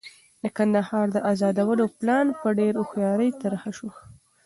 د کندهار د ازادولو پلان په ډېره هوښیارۍ طرح شو.